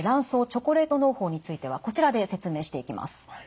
チョコレートのう胞についてはこちらで説明していきます。